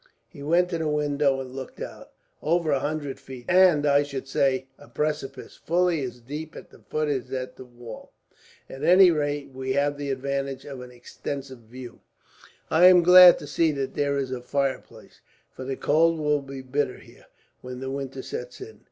He went to the window and looked out. "Over a hundred feet," he said, "and I should say a precipice fully as deep at the foot of the wall. At any rate, we have the advantage of an extensive view. "I am glad to see that there is a fireplace, for the cold will be bitter here, when the winter sets in.